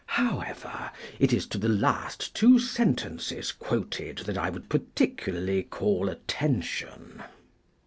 However, it is to the last two sentences quoted that I would particularly call attention.